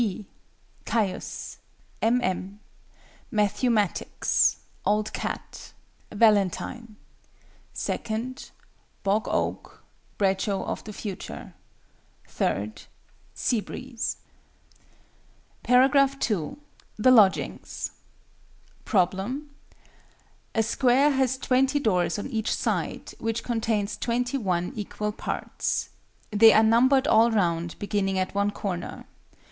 BEE. CAIUS. M. M. MATTHEW MATTICKS. OLD CAT. VALENTINE. II. BOG OAK. BRADSHAW OF THE FUTURE. III. SEA BREEZE. § 2. THE LODGINGS. Problem. "A Square has 20 doors on each side, which contains 21 equal parts. They are numbered all round, beginning at one corner.